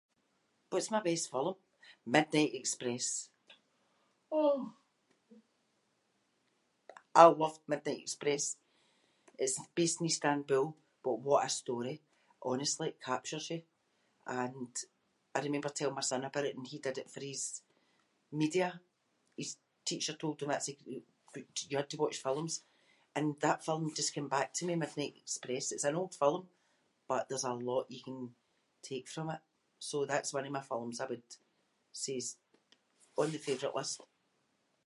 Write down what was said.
What’s my best film? Midnight Express [inc]. I love Midnight Express. It’s based in Istanbul but what a story. Honestly, it captures you. And I remember telling my son about it and he did it for his media. His teacher told him that’s the [inc] you had to watch films and that film just came back to me, Midnight Express. It’s an old film but there’s a lot you can take from it. So that’s one of my films I would say is on the favourite list.